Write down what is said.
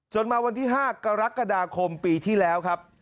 มาวันที่๕กรกฎาคมปีที่แล้วครับ